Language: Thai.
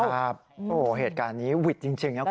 ครับโอ้เหตุการณ์นี้วิทย์จริงนะคุณ